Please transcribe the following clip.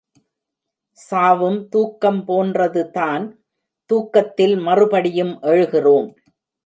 சாவும் தூக்கம் போன்றதுதான் தூக்கத்தில் மறுபடியும் எழுகிறோம்.